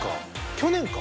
去年か。